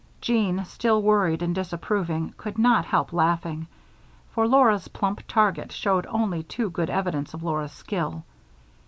Jean, still worried and disapproving, could not help laughing, for Laura's plump target showed only too good evidence of Laura's skill.